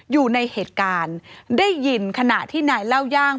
อยู่ในเหตุการณ์ได้ยินขณะที่นายเล่าย่าง